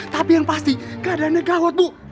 tapi yang pasti keadaannya gawat bu